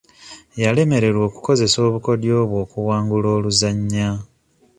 Yalemererwa okukozesa obukodyo bwe okuwangula oluzannya.